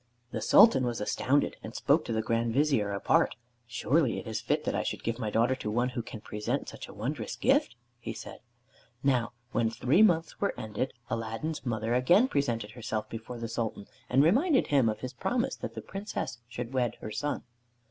The Sultan was astounded, and spoke to the Grand Vizier apart. "Surely it is fit that I should give my daughter to one who can present such a wondrous gift?" he said.... Now when three months were ended, Aladdin's mother again presented herself before the Sultan, and reminded him of his promise, that the Princess should wed her son.